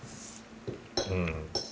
うん。